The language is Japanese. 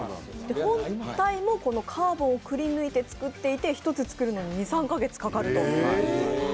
本体もカーブをくりぬいていて１つ作るのに、２３カ月かかると。